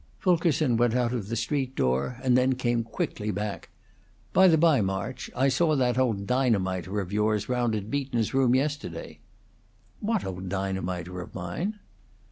Fulkerson went out of the street door, and then came quickly back. "By the bye, March, I saw that old dynamiter of yours round at Beaton's room yesterday." "What old dynamiter of mine?"